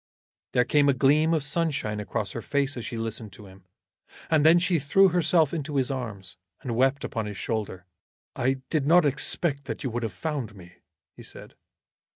There came a gleam of sunshine across her face as she listened to him, and then she threw herself into his arms, and wept upon his shoulder. "I did not expect that you would have found me," he said.